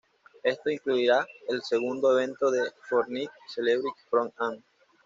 Esto incluirá el segundo evento de "Fortnite Celebrity Pro-Am".